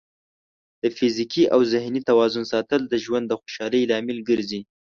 د فزیکي او ذهني توازن ساتل د ژوند د خوشحالۍ لامل ګرځي.